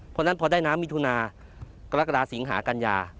เพราะฉะนั้นพอได้น้ำมิถุนากรกฎาสิงหากัญญา